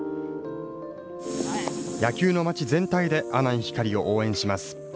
野球のまち全体で阿南光を応援します。